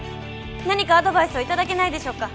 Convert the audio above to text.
何かアドバイスをいただけないでしょうか？